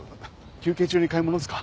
休憩中に買い物ですか？